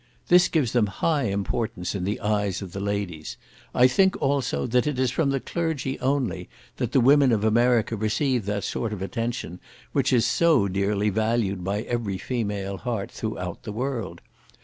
This gives them high importance in the eyes of the ladies. I think, also, that it is from the clergy only that the women of America receive that sort of attention which is so dearly valued by every female heart throughout the world.